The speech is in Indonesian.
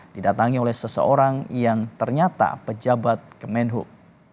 didatangi oleh seseorang yang ternyata pejabat kemenhub